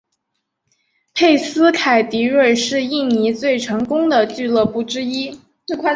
佩斯凯迪瑞是印尼最成功的俱乐部之一。